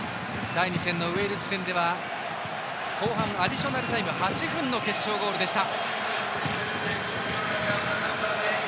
第２戦のウェールズ戦では後半アディショナルタイム８分の決勝ゴールでした。